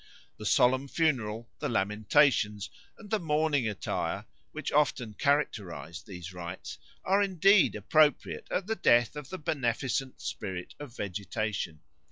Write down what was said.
The solemn funeral, the lamentations, and the mourning attire, which often characterise these rites, are indeed appropriate at the death of the beneficent spirit of vegetation.